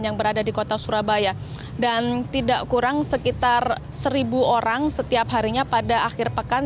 yang berada di kota surabaya dan tidak kurang sekitar seribu orang setiap harinya pada akhir pekan